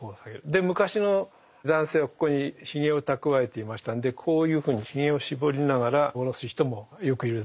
で昔の男性はここにヒゲをたくわえていましたんでこういうふうにヒゲを絞りながら下ろす人もよくいるんですけども。